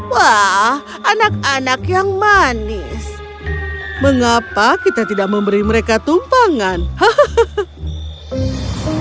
wah anak anak yang manis mengapa kita tidak memberi mereka tumpangan hahaha